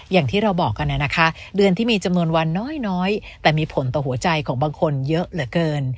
อย่างที่เราบอกกันนะคะเดือนที่มีจำนวนวันน้อยแต่มีผลต่อหัวใจของบางคนเยอะเหลือเกิน